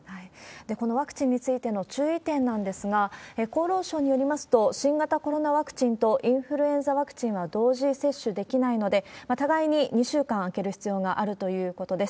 このワクチンについての注意点なんですが、厚労省によりますと、新型コロナワクチンとインフルエンザワクチンは同時接種できないので、互いに２週間空ける必要があるということです。